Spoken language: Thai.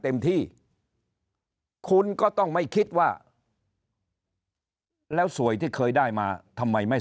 เต็มที่คุณก็ต้องไม่คิดว่าแล้วสวยที่เคยได้มาทำไมไม่